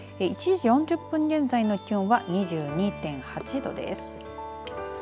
１時４０分現在の気温は２２．８度です。